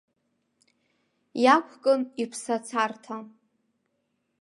Иақәкын иԥсы ацарҭа.